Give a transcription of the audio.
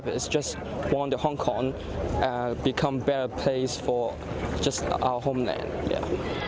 hanya ingin hong kong menjadi tempat yang lebih baik untuk kota kita